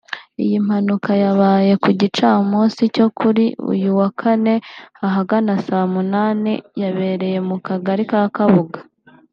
Iyi mpanuka yabaye ku gicamunsi cyo kuri uyu wa kane ahagana saa munani yabereye mu kagali ka Kabuga